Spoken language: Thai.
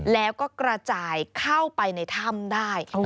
แล้วก็กระจายเข้าไปในถ้ำได้